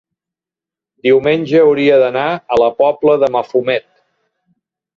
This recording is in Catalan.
diumenge hauria d'anar a la Pobla de Mafumet.